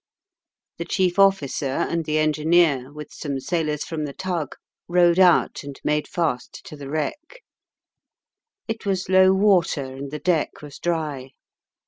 The chief officer and the engineer, with some sailors from the tug, rowed out and made fast to the wreck. It was low water, and the deck was dry.